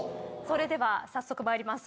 それでは早速参ります。